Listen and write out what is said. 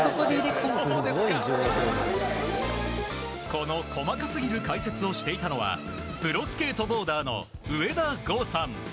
この細かすぎる解説をしていたのはプロスケートボーダーの上田豪さん。